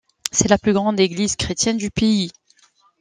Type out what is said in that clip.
C'est la plus grande église chrétienne du pays.